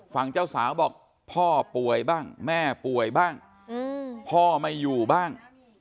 ฝั่งเจ้าสาวบอกพ่อป่วยบ้างแม่ป่วยบ้างพ่อไม่อยู่บ้าง